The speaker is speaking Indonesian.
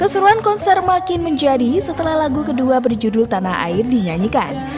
keseruan konser makin menjadi setelah lagu kedua berjudul tanah air dinyanyikan